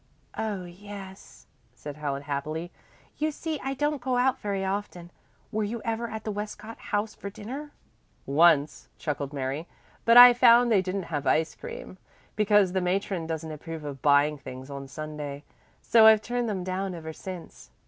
"Oh, yes," said Helen happily. "You see I don't go out very often. Were you ever at the Westcott House for dinner?" "Once," chuckled Mary. "But I found they didn't have ice cream, because the matron doesn't approve of buying things on Sunday; so I've turned them down ever since."